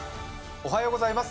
おはようございます